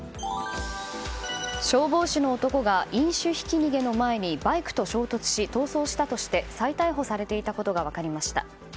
消防士の男が飲酒ひき逃げの前にバイクと衝突し逃走したとして再逮捕されていたことが分かりました。